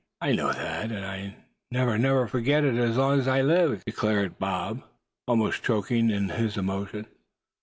"I know that, and I'll never, never forget it as long as I live!" declared the other, almost choking in his emotion.